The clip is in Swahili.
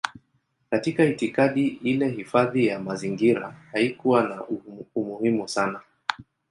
Katika itikadi ile hifadhi ya mazingira haikuwa na umuhimu sana.